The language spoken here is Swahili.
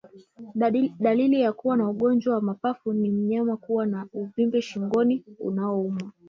Dalili ya kuwa na ugonjwa wa mapafu ni mnyama kuwa na uvimbe shingoni unaouma